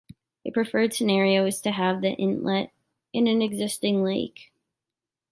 A preferred scenario is to have the inlet in an existing lake.